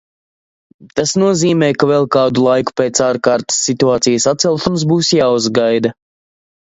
Tas nozīmē, ka vēl kādu laiku pēc Ārkārtas situācijas atcelšanas būs jāuzgaida.